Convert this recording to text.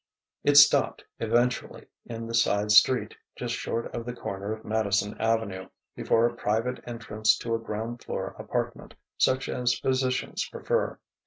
It stopped, eventually, in the side street, just short of the corner of Madison Avenue, before a private entrance to a ground floor apartment, such as physicians prefer.